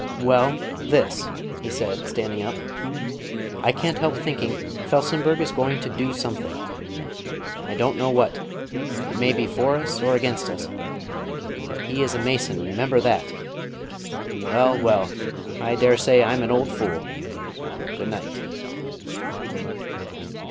"Well, this," he said, standing up. "I can't help thinking Felsenburgh is going to do something. I don't know what; it may be for us or against us. But he is a Mason, remember that.... Well, well; I dare say I'm an old fool. Good night."